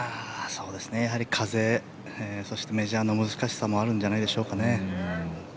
やはり風そしてメジャーの難しさもあるんじゃないですかね。